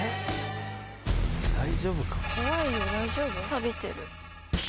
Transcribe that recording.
さびてる。